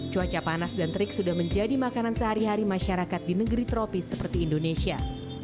cuaca panas dan terik sudah menjadi makanan sehari hari masyarakat di negeri tropis seperti indonesia